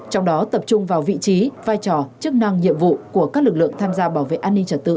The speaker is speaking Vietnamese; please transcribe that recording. trong đó tập trung vào vị trí vai trò chức năng nhiệm vụ của các lực lượng tham gia bảo vệ an ninh trật tự